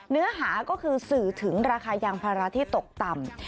เนื้อหาก็คือสื่อถึงราคายางภาระที่ตกต่ำ